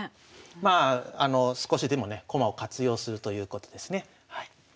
まあ少しでもね駒を活用するということですね。